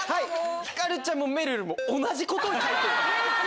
ひかるちゃんもめるるも同じことを書いてる。